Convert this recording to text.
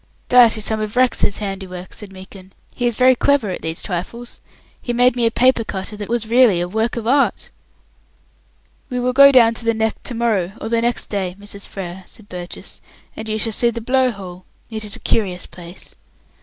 "That is some of Rex's handiwork," said Meekin. "He is very clever at these trifles. He made me a paper cutter that was really a work of art." "We will go down to the Neck to morrow or next day, Mrs. Frere," said Burgess, "and you shall see the Blow hole. It is a curious place."